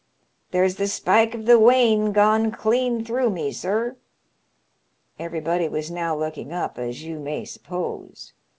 There's the spike of the wane gone clean through me, sir.* Every body was now looking up, as you may suppose.